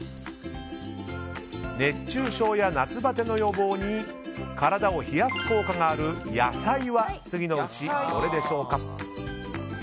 熱中症や夏バテの予防に体を冷やす効果がある野菜は次のうちどれでしょうか？